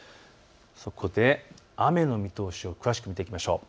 そこで雨の見通しを詳しく見ていきましょう。